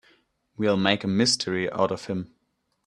We'll make a mystery out of him.